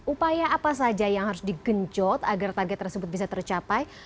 upaya apa saja yang harus digenjot agar target tersebut bisa tercapai